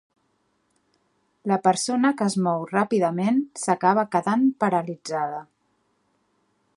La persona que es mou ràpidament s'acaba quedant paralitzada.